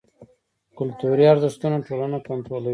کلتوري ارزښتونه ټولنه کنټرولوي.